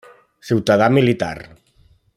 Ciutadà militar.